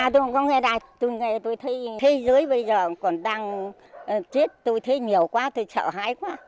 tôi thấy nhiều quá tôi chào hãi quá